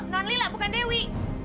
nonlila bukan dewi